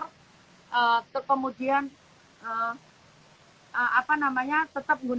kemudian tetap menggunakan ini untuk menerima uang